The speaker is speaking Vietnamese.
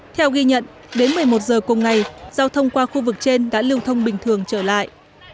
theo ghi nhận đến một mươi một giờ cùng ngày giao thông qua khu vực trên đã lưu thông bình thường trở lại